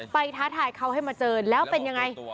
ท้าทายเขาให้มาเจอแล้วเป็นยังไง